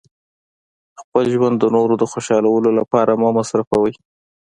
خپل ژوند د نورو د خوشحالولو لپاره مه مصرفوئ.